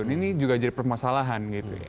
ini juga jadi permasalahan